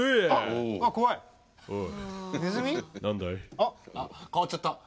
あっ変わっちゃった。